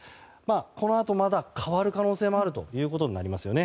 このあとまた変わる可能性もあるということになりますよね。